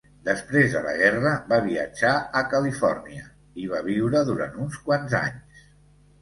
Després de la guerra, va viatjar a Califòrnia i hi va viure durant uns quants anys.